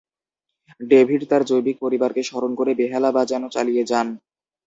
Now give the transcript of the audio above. David তার জৈবিক পরিবারকে স্মরণ করে বেহালা বাজানো চালিয়ে যান।